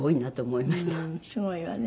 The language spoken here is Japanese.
すごいわね。